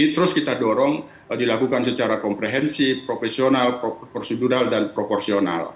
terus kita dorong dilakukan secara komprehensif profesional prosedural dan proporsional